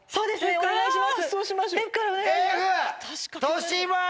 お願いします。